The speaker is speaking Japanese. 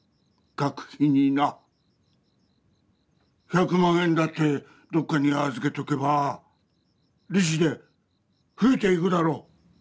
百万円だってどっかに預けとけば利子で増えていくだろう。